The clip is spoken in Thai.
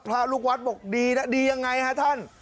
พระลูกวัดบอกดีนะดียังไงฮะท่าน